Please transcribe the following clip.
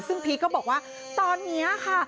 ซึ่งพีชก็บอกว่าตอนนี้ค่ะ